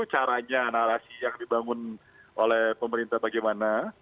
caranya narasi yang dibangun oleh pemerintah bagaimana